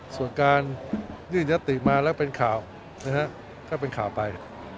ส่วนการยื่นยติมาแล้วเป็นข่าวนะฮะถ้าเป็นข่าวไป